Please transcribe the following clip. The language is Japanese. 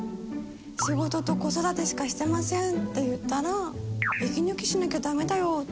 「仕事と子育てしかしてません」って言ったら「息抜きしなきゃダメだよ」